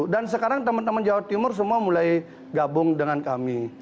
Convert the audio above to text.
dan sekarang teman teman jawa timur semua mulai gabung dengan kami